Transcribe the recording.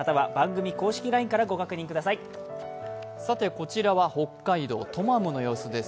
こちらは北海道トマムの様子です。